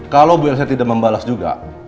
kalau bu elsa tidak membalas juga